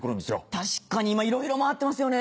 確かに今いろいろ回ってますよね。